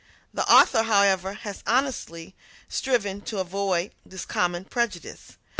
The author, however, has honestly striven to avoid this common prejudice.